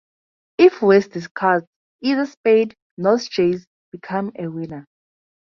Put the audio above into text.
If West discards either spade, North's J becomes a winner.